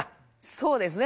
そうですね